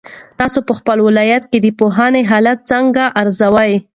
تاسو په خپل ولایت کې د پوهنې حالت څنګه ارزوئ؟